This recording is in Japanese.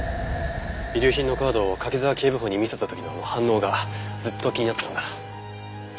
遺留品のカードを柿沢警部補に見せた時の反応がずっと気になってたんだ。